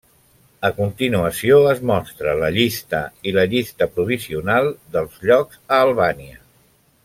A continuació es mostra la llista i la llista provisional dels llocs a Albània.